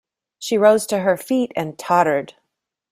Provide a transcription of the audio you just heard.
She rose to her feet, and tottered.